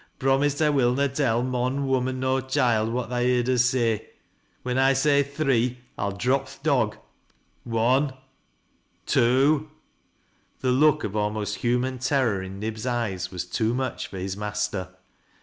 Promise ta will na tell mon, woman, nor choild, what tha heerd us say. When I say 'three,' I'll drop th' dog. One — two —" The look of almost human terror in Nib's eyes was too much for his master.